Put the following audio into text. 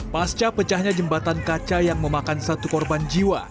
pasca pecahnya jembatan kaca yang memakan satu korban jiwa